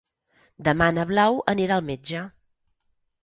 Demà na Blau anirà al metge.